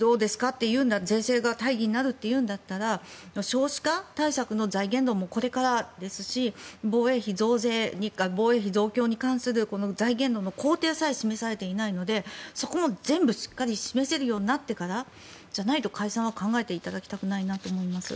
と税制が大義になるというなら少子化対策の財源もこれからですし防衛費増強に関する財源の工程さえ示されていないのでそこもしっかり示せるようになってからじゃないと解散は考えていただきたくないと思います。